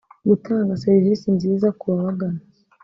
gutanga serivisi nziza ku babagana